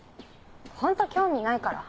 ホント興味ないから。